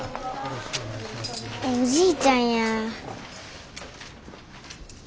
おじいちゃんや。